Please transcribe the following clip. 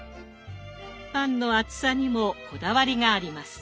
パンの厚さにもこだわりがあります。